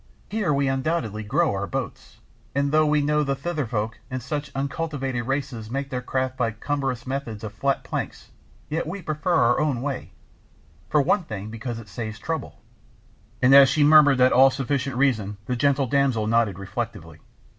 Here we undoubtedly grow our boats, and though we know the Thither folk and such uncultivated races make their craft by cumbrous methods of flat planks, yet we prefer our own way, for one thing because it saves trouble," and as she murmured that all sufficient reason the gentle damsel nodded reflectively.